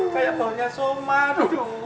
kayak baunya somar